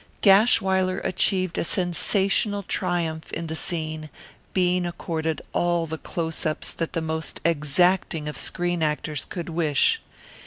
Gashwiler achieved a sensational triumph in the scene, being accorded all the close ups that the most exacting of screen actors could wish.